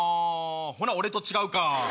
ほな俺と違うか。